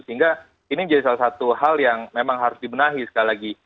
sehingga ini menjadi salah satu hal yang memang harus dibenahi sekali lagi